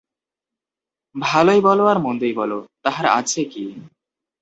ভালোই বল আর মন্দই বল, তাহার আছে কী।